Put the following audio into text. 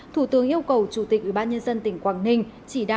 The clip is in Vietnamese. thủ tướng yêu cầu chủ tịch ubnd tỉnh quảng ninh